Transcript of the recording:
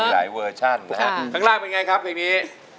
ข้างล่างเป็นไงครับเพลงนี้